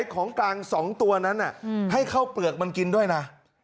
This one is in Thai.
ของกลาง๒ตัวนั้นให้เข้าเปลือกมันกินด้วยนะ